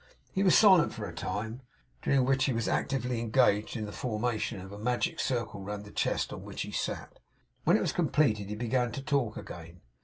He was silent for a time, during which he was actively engaged in the formation of a magic circle round the chest on which he sat. When it was completed, he began to talk again.